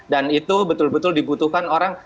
dan itu betul betul dibutuhkan orang